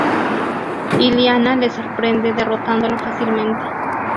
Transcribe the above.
Illyana le sorprende derrotándolo fácilmente.